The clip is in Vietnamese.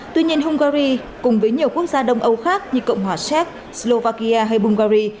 tuy nhiên hungary cùng với nhiều quốc gia đông âu khác như cộng hòa séc slovakia hay bungary